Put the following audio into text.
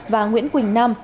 và nguyễn quỳnh nam